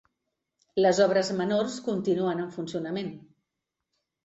Les obres menors continuen en funcionament.